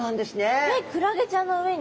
えっクラゲちゃんの上に？